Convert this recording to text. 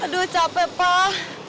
aduh capek pak